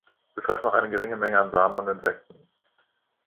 Sie fressen auch eine geringe Menge an Samen und Insekten.